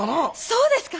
そうですか？